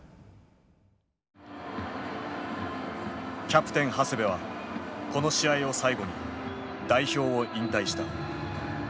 キャプテン長谷部はこの試合を最後に代表を引退した。